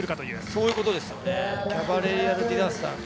そういうことですよね。